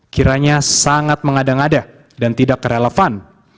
kiranya sangat mengada ngada dan tidak relevan